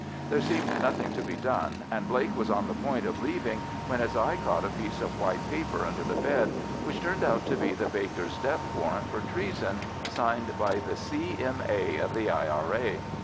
There seemed nothing to be done, and Blake was on the point of leaving when his eye caught a piece of white paper under the bed, which turned out to be the baker's death warrant for treason, signed by the C.M.A. of the I.R.A.